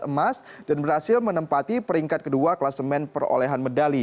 emas dan berhasil menempati peringkat kedua kelasemen perolehan medali